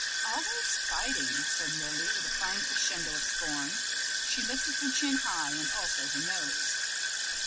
"Always fighting," said Lily, with a fine crescendo of scorn. She lifted her chin high, and also her nose.